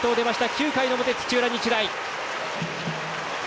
９回の表、土浦日大。